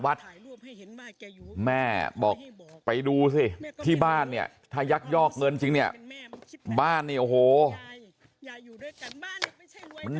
วัดแม่บอกไปดูที่บ้านเนี่ยถ้ายักษ์ยอกเงินจริงเนี่ยบ้าน